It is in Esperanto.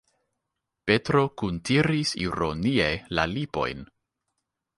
Petro kuntiris ironie la lipojn.